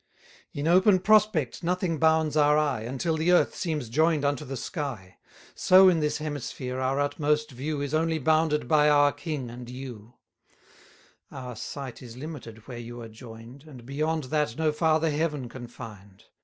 30 In open prospect nothing bounds our eye, Until the earth seems join'd unto the sky: So, in this hemisphere, our utmost view Is only bounded by our king and you: Our sight is limited where you are join'd, And beyond that no farther heaven can find.